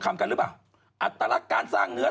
เพราะวันนี้หล่อนแต่งกันได้ยังเป็นสวย